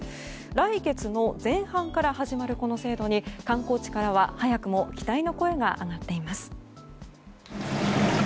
来月の前半から始まるこの制度に観光地からは早くも期待の声が上がっています。